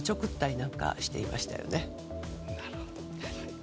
なるほど。